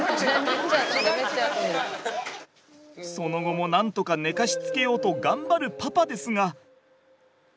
その後もなんとか寝かしつけようと頑張るパパですが。